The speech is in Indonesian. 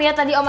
atuh dia juga